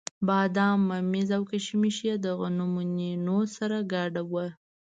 بادام، ممیز او کېشمش یې د غنمو نینو سره ګډ وو.